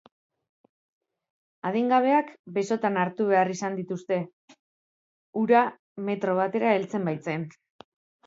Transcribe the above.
Adingabeak besotan hartu behar izan dituzte, ura metro batera heltzen baitzen.